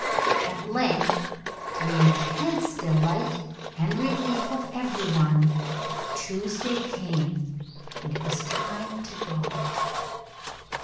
At length, to the intense delight and the relief of every one, Tuesday came, and it was time to go.